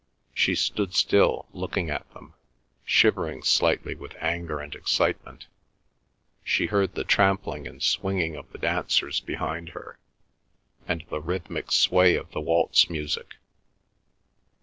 She stood still, looking at them, shivering slightly with anger and excitement. She heard the trampling and swinging of the dancers behind her, and the rhythmic sway of the waltz music.